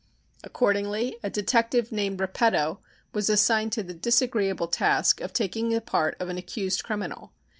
Accordingly, a detective named Repetto was assigned to the disagreeable task of taking the part of an accused criminal.